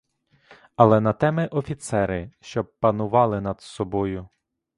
Але на те ми офіцери, щоб панували над собою.